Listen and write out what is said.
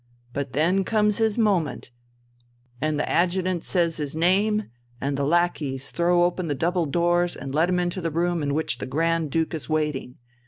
But then comes his moment, and the adjutant says his name, and the lackeys throw open the double doors and let him into the room in which the Grand Duke is waiting.